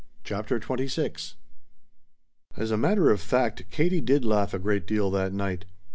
CHAPTER XXVI As a matter of fact Katie did laugh a great deal that night.